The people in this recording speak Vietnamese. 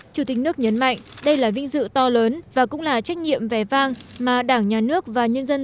chủ tịch nước nhấn mạnh đây là vinh dự to lớn và cũng là trách nhiệm vẻ vang mà đảng nhà nước và nhân dân